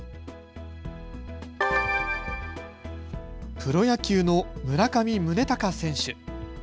プロ野球の村上宗隆選手。